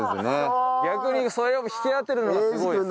逆にそれを引き当てるのがすごいです。